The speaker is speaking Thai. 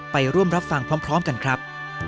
ไปร่วมรับฟังพร้อมกันครับ